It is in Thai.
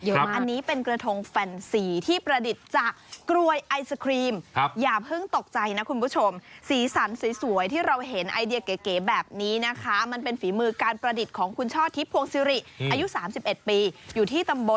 เดี๋ยวมาอันนี้เป็นกระทงแฟนซีที่ประดิษฐ์จากกรวยไอศครีม